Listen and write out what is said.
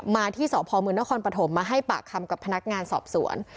มาที่สพมนครปฐมมาให้ปากคำกับพนักงานสอบสวน